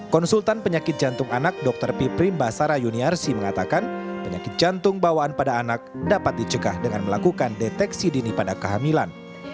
konsultan penyakit jantung anak dr piprim basara yuniarsi mengatakan penyakit jantung bawaan pada anak dapat dicegah dengan melakukan deteksi dini pada kehamilan